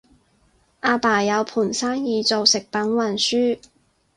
阿爸有盤生意做食品運輸